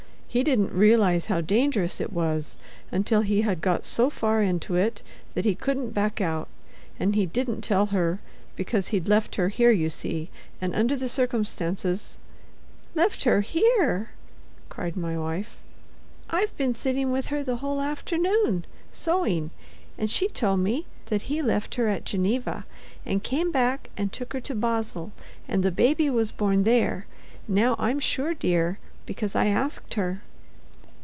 He didn't realize how dangerous it was until he had got so far into it that he couldn't back out; and he didn't tell her, because he'd left her here, you see, and under the circumstances——" "Left her here!" cried my wife. "I've been sitting with her the whole afternoon, sewing, and she told me that he left her at Geneva, and came back and took her to Basle, and the baby was born there—now I'm sure, dear, because I asked her."